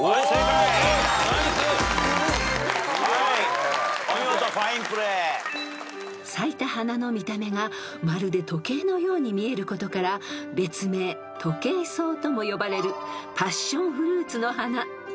［咲いた花の見た目がまるで時計のように見えることから別名「トケイソウ」とも呼ばれるパッションフルーツの花］